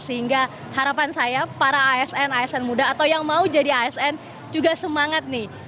sehingga harapan saya para asn asn muda atau yang mau jadi asn juga semangat nih